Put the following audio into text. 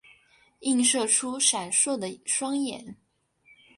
映射出闪烁的双眼